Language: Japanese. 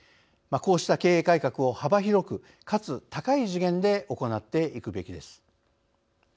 こうした経営改革を幅広くかつ高い次元で行っていくべきです。